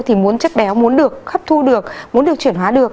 thì muốn chất béo muốn được hấp thu được muốn được chuyển hóa được